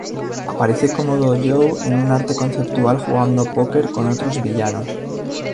Aparece Komodo Joe en un arte conceptual jugando póker con otros villanos.